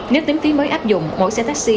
nếu tính phí mới áp dụng mỗi xe taxi